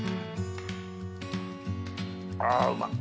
あうまい！